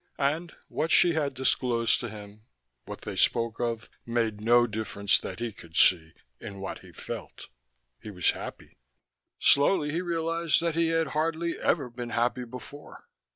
And what she had disclosed to him, what they spoke of, made no difference that he could see in what he felt. He was happy. Slowly he realized that he had hardly ever been happy before.